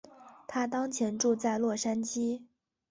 她当前住在洛杉矶。